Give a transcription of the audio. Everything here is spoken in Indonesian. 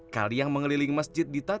kalian mengeliling masjid ditempatkan